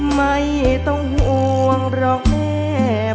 ไม่ต้องห่วงหรอกแม่